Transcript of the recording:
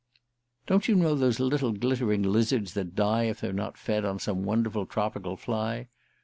"Don't you know those little glittering lizards that die if they're not fed on some wonderful tropical fly?